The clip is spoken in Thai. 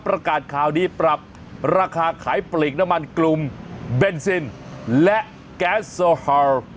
ประกาศข่าวดีปรับราคาขายปลีกน้ำมันกลุ่มเบนซินและแก๊สโซฮาล